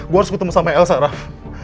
gue harus ketemu sama elsa raff